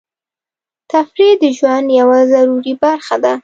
تفریح د ژوند یوه ضروري برخه ده.